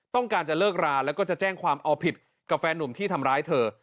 ต้องการจะเลิกราแล้วก็จะแจ้งความเอาผิดกับแฟนหนุ่มที่ทำร้ายเธอ